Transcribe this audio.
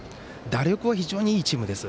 打力は非常にいいチームです。